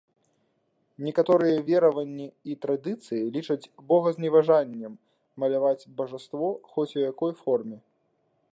Некаторыя вераванні і традыцыі лічаць богазневажаннем маляваць бажаство хоць у якой форме.